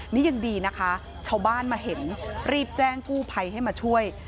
นี่ยังดีนะคะชาวบ้านมาเห็นรีบแจ้งกู้ภัยให้มาช่วย